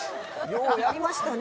ようやりましたね。